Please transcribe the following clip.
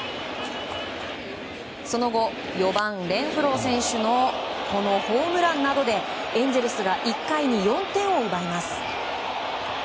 その後、４番、レンフロー選手のホームランなどでエンゼルスが１回に４点を奪います。